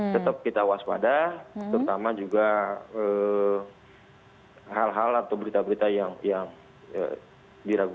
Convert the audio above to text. tetap kita waspada